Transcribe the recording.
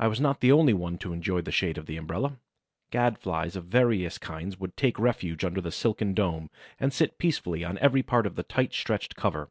I was not the only one to enjoy the shade of the umbrella. Gad flies of various kinds would take refuge under the silken dome and sit peacefully on every part of the tightly stretched cover.